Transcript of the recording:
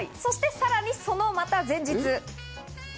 さらにそのまた前日。